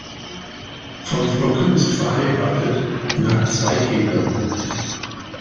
Von Flocken ist verheiratet und hat zwei Kinder.